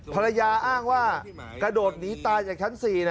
ภรรยาอ้างว่ากระโดดหนีตายจากชั้น๔เนี่ย